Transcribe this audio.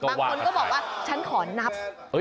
บางคนก็บอกว่าฉันขอนับ